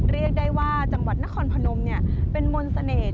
เรียกได้ว่าจังหวัดนครพนมเป็นมนต์เสน่ห์